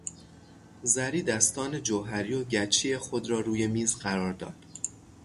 زری دستان جوهری و گچی خود را روی میز قرار داد.